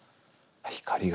光が。